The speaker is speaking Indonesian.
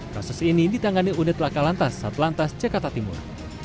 kasus ini ditangani unit lakalantas satlantas jakarta timur